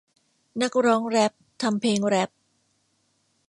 นักร้องแร็พทำเพลงแรพ